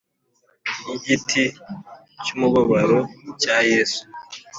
Y igiti cy umubabaro cya yesu